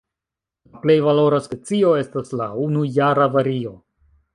La plej valora specio estas la unujara vario.